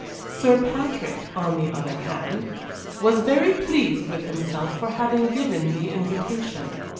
Sir Patrick, on the other hand, was very pleased with himself for having given the invitation.